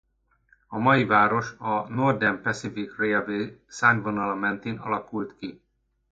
A mai város a Northern Pacific Railway szárnyvonala mentén alakult ki.